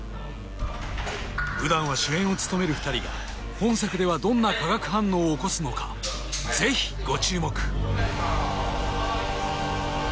普段は主演を務める２人が本作ではどんな化学反応を起こすのかぜひご注目！